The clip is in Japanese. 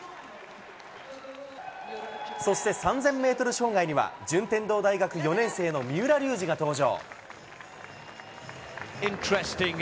そして３０００メートル障害には、順天堂大学４年生の三浦龍司が登場。